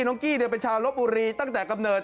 น้องกี้เนี่ยเป็นชาวลบบุรีตั้งแต่กำเนิด